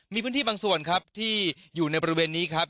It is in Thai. มีพื้นที่บางส่วนครับที่อยู่ในบริเวณนี้ครับ